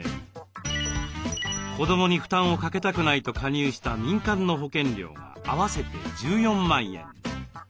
子どもに負担をかけたくないと加入した民間の保険料が合わせて１４万円。